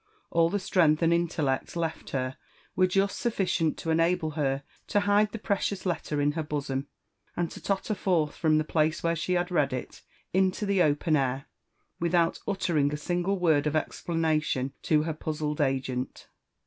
All the strength and intellect left her were just suf ficient to enable her to hide the precious letter in her bosom, and to totter forth from the place where she had read it into the open air, without uttering a single word of explanation to her puzzled agent.